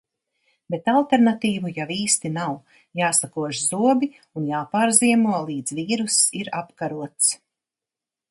Bet alternatīvu jau īsti nav. Jāsakož zobi un jāpārziemo, līdz vīruss ir apkarots.